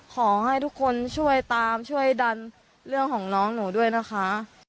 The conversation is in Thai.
ขอให้ทุกคนช่วยตามช่วยดันเรื่องของน้องหนูด้วยนะคะ